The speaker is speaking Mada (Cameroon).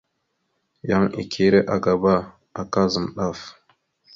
Yan ikire agaba, aka zam daf.